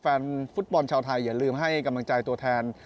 แฟนฟุตบอลชาวไทยอย่าลืมให้กำลังใจตัวแทน